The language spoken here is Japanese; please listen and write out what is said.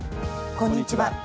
こんにちは。